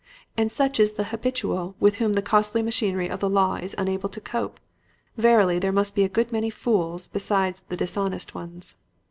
And such is the 'habitual' with whom the costly machinery of the law is unable to cope! Verily, there must be a good many fools besides the dishonest ones!